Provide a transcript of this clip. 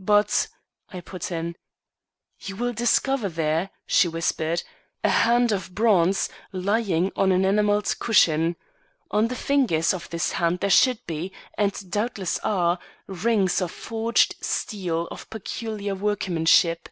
"But " I put in. "You will discover there," she whispered, "a hand of bronze lying on an enamelled cushion. On the fingers of this hand there should be, and doubtless are, rings of forged steel of peculiar workmanship.